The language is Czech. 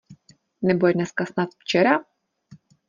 Nebo je dneska snad včera?